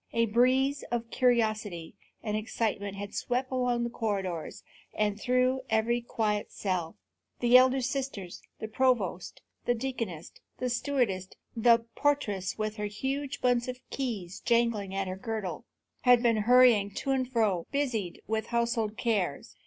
A breeze of curiosity and excitement had swept along the corridors and through every quiet cell. The elder sisters, the provost, the deaconess, the stewardess, the portress with her huge bunch of keys jingling at her girdle, had been hurrying to and fro, busied with household cares.